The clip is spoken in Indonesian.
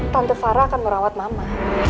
tante sarah akan merawat mama